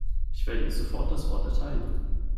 Ich werde ihr sofort das Wort erteilen.